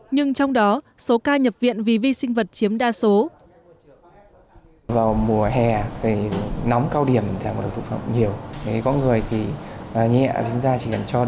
nhưng trong đó số ca nhập viện vì vi sinh vật chiếm đa số